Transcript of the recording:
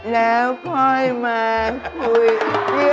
แล้วค่อยมาคุยเรื่องแบบนี้